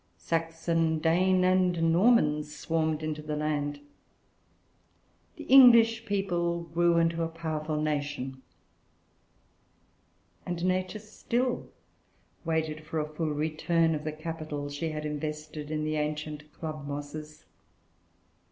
Saxon, Dane, and Norman swarmed into the land. The English people grew into a powerful nation, and Nature still waited for a full return of the capital she had invested in the ancient club mosses.